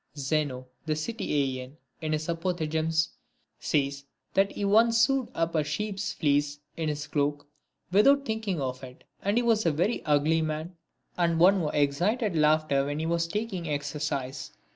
VIII. Zeno, the Cittisean, in his Apophthegms, says, that he once sewed up a sheep's fleece in his cloak, without think ing of it ; and he was a very ugly man, and one who excited laughter when he was taking exercise.